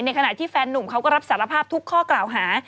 ขณะที่แฟนหนุ่มเขาก็รับสารภาพทุกข้อกล่าวหา